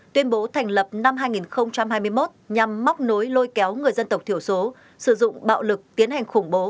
tuyên bố thành lập năm hai nghìn hai mươi một nhằm móc nối lôi kéo người dân tộc thiểu số sử dụng bạo lực tiến hành khủng bố